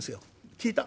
聞いた。